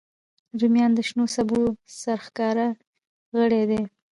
رومیان د شنو سبو سرښکاره غړی دی